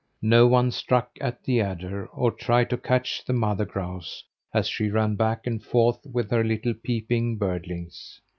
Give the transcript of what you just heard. No one struck at the adder or tried to catch the mother grouse as she ran back and forth with her little peeping birdlings.